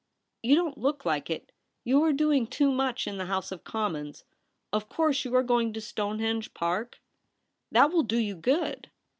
* You don't look like it. You are doing too much in the House of Commons. Of course you are going to Stonehenge Park ? That will do you good.'